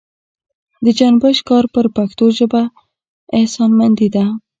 د جنبش کار پر پښتو ژبه احسانمندي ده.